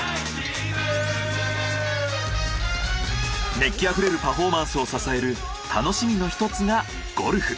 熱気あふれるパフォーマンスを支える楽しみの１つがゴルフ。